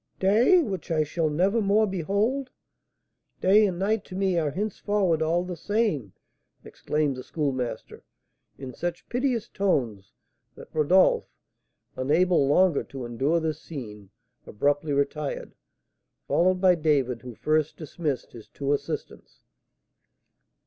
"Day! which I shall never more behold! Day and night to me are henceforward all the same!" exclaimed the Schoolmaster, in such piteous tones that Rodolph, unable longer to endure this scene, abruptly retired, followed by David, who first dismissed his two assistants.